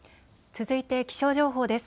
続いて気象情報です。